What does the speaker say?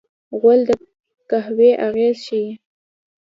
غول د قهوې اغېز ښيي.